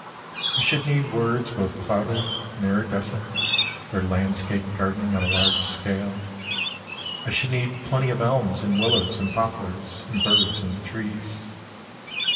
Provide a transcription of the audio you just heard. I should need words both cloudy and iridescent, For landscape gardening on a large scale: I should need plenty of elms and willows and poplars And birds in the trees.